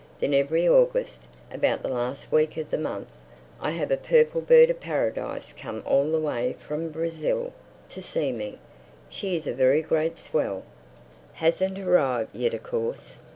Then every August, about the last week of the month, I have a Purple Bird of Paradise come all the way from Brazil to see me. She is a very great swell. Hasn't arrived yet of course.